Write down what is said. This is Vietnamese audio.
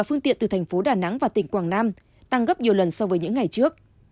phương tiện từ thành phố đà nẵng và tỉnh quảng nam tăng gấp nhiều lần so với những ngày trước